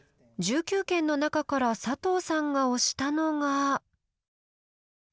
１９件の中から佐藤さんが推したのが。